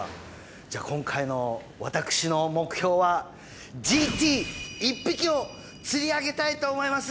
じゃあ今回の私の目標はＧＴ１匹を釣り上げたいと思います！